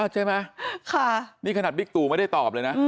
ใช่ไหมนี่ขนาดบิ๊กตูไม่ได้ตอบเลยนะ